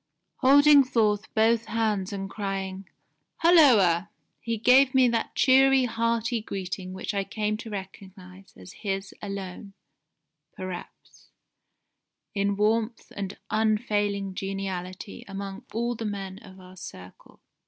Holding forth both hands and crying, 'Hulloa!' he gave me that cheery hearty greeting which I came to recognise as his alone, perhaps, in warmth and unfailing geniality among all the men of our circle.